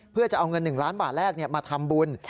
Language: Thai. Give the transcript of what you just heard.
เพื่อจะเอาเงิน๑ล้านบาทแรกมาทำบุญ